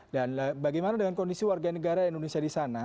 dan bagaimana dengan kondisi warga negara indonesia di sana